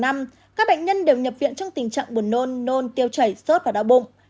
các bệnh nhân đều nhập viện trong tình trạng buồn nôn nôn tiêu chảy sốt và đau bụng